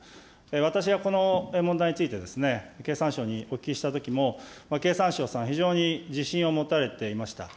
私はこの問題について、経産省にお聞きしたときも、経産省さん、非常に自信を持たれていました。